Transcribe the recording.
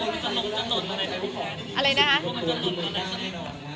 มันก็จะตนตรงในไทยด้านนอกน่ะ